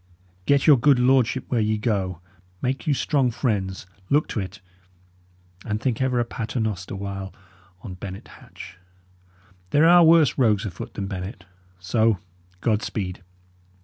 Get your good lordship where ye go; make you strong friends; look to it. And think ever a pater noster while on Bennet Hatch. There are worse rogues afoot than Bennet. So, God speed!"